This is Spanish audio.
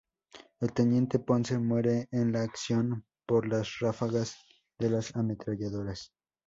El teniente Ponce muere en la acción por las ráfagas de las ametralladoras.